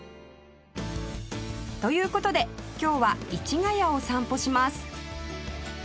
という事で今日は市ヶ谷を散歩します